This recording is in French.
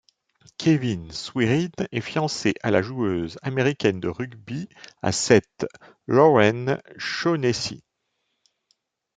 Kevin Swiryn est fiancé à la joueuse américaine de rugby à sept, Lauren Shaughnessy.